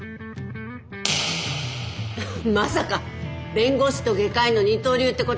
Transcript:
まさか弁護士と外科医の二刀流ってことですか？